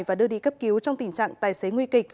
và đưa đi cấp cứu trong tình trạng tài xế nguy kịch